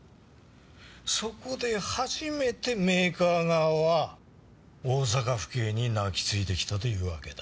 そこで初めてメーカー側は大阪府警に泣きついてきたというわけだ。